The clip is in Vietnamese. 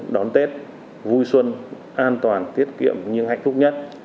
đón tết vui xuân an toàn tiết kiệm nhưng hạnh phúc nhất